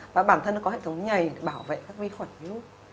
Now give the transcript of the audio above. và bản thân nó có hệ thống nhầy để bảo vệ các vi khuẩn virus